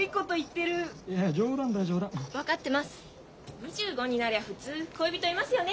２５になりゃ普通恋人いますよね？